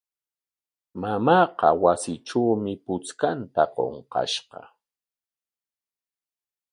Mamaaqa wasitrawmi puchkanta qunqashqa.